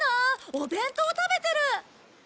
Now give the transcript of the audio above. お弁当食べてる。